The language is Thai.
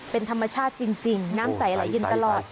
เป็นธรรมชาติจริงน้ำใสไหลเย็นตลอด